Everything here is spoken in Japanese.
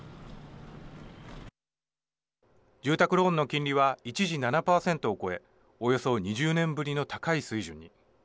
住宅ローンの金利は一時７％を超えおよそ２０年ぶりの高い水準に。